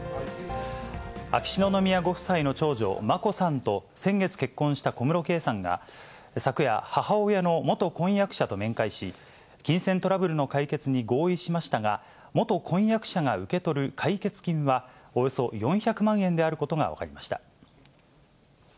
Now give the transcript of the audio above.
秋篠宮ご夫妻の長女、眞子さんと、先月結婚した小室圭さんが、昨夜、母親の元婚約者と面会し、金銭トラブルの解決に合意しましたが、元婚約者が受け取る解決金は、およそ４００万円であることが分かりました。